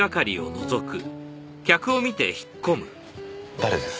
誰です？